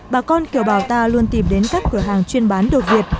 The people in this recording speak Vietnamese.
bà con kiều bào ta luôn tìm đến các cửa hàng chuyên bán đồ việt